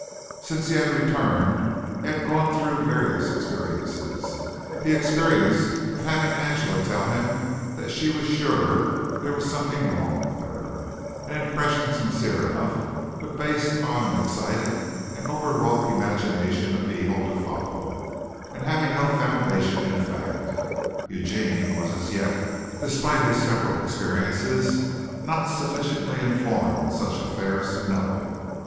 Since he had returned he had gone through various experiences: the experience of having Angela tell him that she was sure there was something wrong with her; an impression sincere enough, but based on an excited and overwrought imagination of evil to follow, and having no foundation in fact. Eugene was as yet, despite his several experiences, not sufficiently informed in such affairs to know.